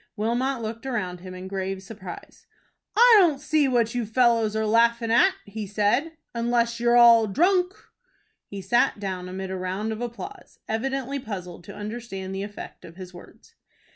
Wilmot looked around him in grave surprise. "I don't see what you fellows are laughing at," he said, "unless you're all drunk." He sat down amid a round of applause, evidently puzzled to understand the effect of his words.